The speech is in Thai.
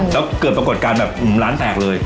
แล้วเกิดปรากฏการณ์แบบร้านแตกเลย